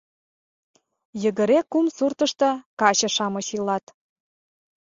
Йыгыре кум суртышто каче-шамыч илат...